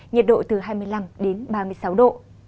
nhiệt độ từ hai mươi năm đến ba mươi sáu độ